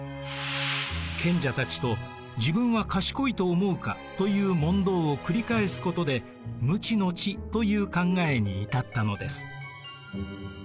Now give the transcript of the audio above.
賢者たちと「自分は賢いと思うか？」という問答を繰り返すことで「無知の知」という考えに至ったのです。